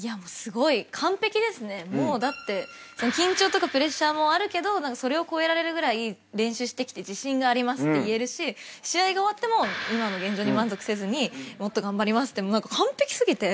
もうだって「緊張とかプレッシャーもあるけどそれを超えられるぐらい練習してきて自信があります」って言えるし試合が終わっても「今の現状に満足せずにもっと頑張ります」って完璧過ぎて。